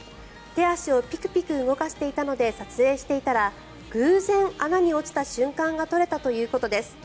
手足をピクピク動かしていたので撮影していたら偶然、穴に落ちた瞬間が撮れたということです。